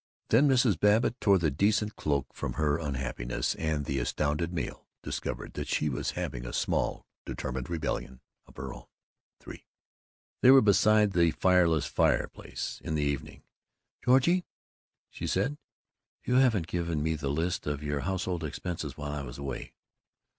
Then Mrs. Babbitt tore the decent cloak from her unhappiness and the astounded male discovered that she was having a small determined rebellion of her own. III They were beside the fireless fire place, in the evening. "Georgie," she said, "you haven't given me the list of your household expenses while I was away."